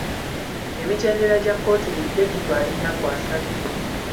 Emitendera gya kkooti bulijjo gitwala ennaku asatu.